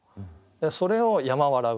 それを「山笑ふ」。